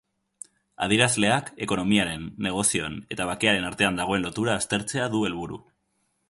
Adierazleak ekonomiaren, negozioen eta bakearen artean dagoen lotura aztertzea du helburu.